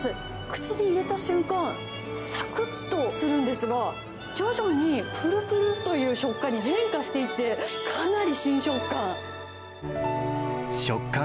口に入れた瞬間、さくっとするんですが、徐々にぷるぷるという食感に変化していって、かなり新食感。